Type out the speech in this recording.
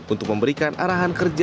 untuk memberikan arahan kerja